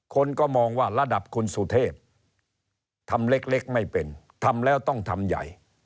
คนก็มองว่าระดับคุณสุเทพทำเล็กไม่เป็นทำแล้วต้องทำใหญ่